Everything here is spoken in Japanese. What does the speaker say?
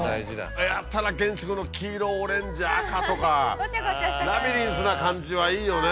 やたら建築の黄色オレンジ赤とかラビリンスな感じはいいよね。